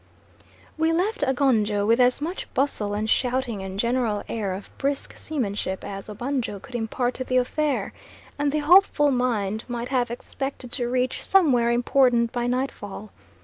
We left Agonjo with as much bustle and shouting and general air of brisk seamanship as Obanjo could impart to the affair, and the hopeful mind might have expected to reach somewhere important by nightfall.